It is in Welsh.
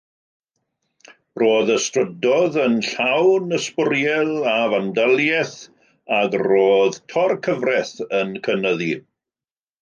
Roedd y strydoedd yn llawn sbwriel a fandaliaeth ac roedd thor-cyfraith yn cynyddu.